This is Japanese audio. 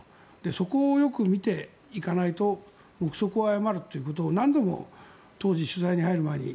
そこをよく見て行かないと誤るということを当時取材に入る前に。